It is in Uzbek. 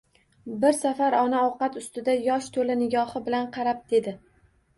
Bir safar ona ovqat ustida yosh to`la nigohi bilan qarab dedi